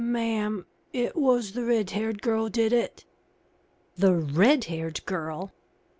"Ma'am, it was the red haired girl did it." "The red haired girl!"